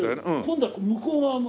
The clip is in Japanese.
今度は向こう側の。